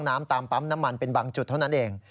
น้ำตามปั๊มน้ำมันเป็นบางจุดเท่านั้นเอง